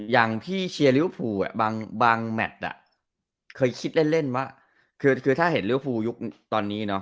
อย่างพี่เชียร์ริวภูบางแมทเคยคิดเล่นว่าคือถ้าเห็นริวภูยุคตอนนี้เนาะ